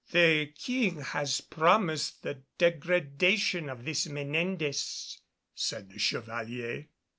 "The King has promised the degradation of this Menendez," said the Chevalier.